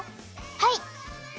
はい！